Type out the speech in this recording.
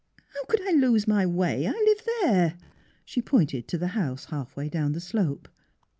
How could I lose my way! I live there." She pointed to the house halfway down the slope.